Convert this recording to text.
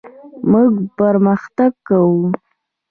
موږ پرمختګ کوو.